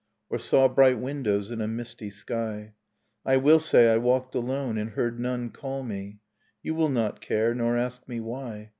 Or saw bright windows in a misty sky. I will say, I walked alone, and heard none call me; You will not care, nor ask me why